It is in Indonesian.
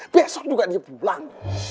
besok juga dia pulang